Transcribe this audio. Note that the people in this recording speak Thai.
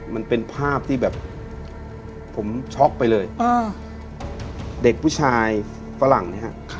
มันเป็นภาพที่แบบผมช็อกไปเลยเด็กผู้ชายฝรั่งเนี่ยฮะ